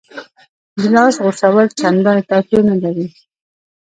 د لاس غوڅول چندانې توپیر نه لري.